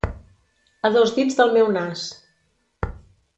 A dos dits del meu nas.